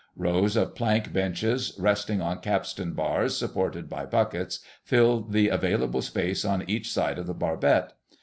Rows of plank benches, resting on capstan bars supported by buckets, filled the available space on each side of the barbette.